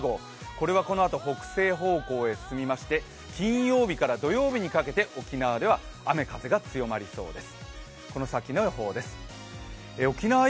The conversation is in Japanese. これはこのあと北西方向へ進みまして金曜日から土曜日にかけて沖縄では雨風が強まりそうです。